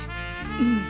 うん。